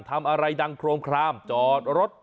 ทำอะไรดังโครมคลามจอดรถ